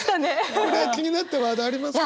これは気になったワードありますか？